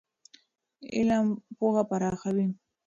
علم پوهه پراخوي.